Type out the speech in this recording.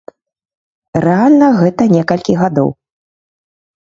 Рэальна гэта некалькі гадоў.